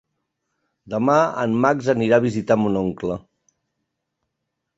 Demà en Max anirà a visitar mon oncle.